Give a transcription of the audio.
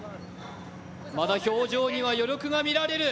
まだ表情には余力が見られる。